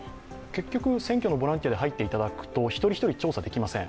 結局、選挙のボランティアで入っていただくと一人一人が調査できません。